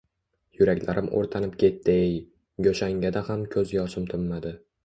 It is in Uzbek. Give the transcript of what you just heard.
Yuraklarim oʼrtanib ketdi-ey! Goʼshangada ham koʼz yoshim tinmadi.